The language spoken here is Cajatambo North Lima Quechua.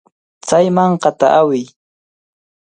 Chay mankata awiy.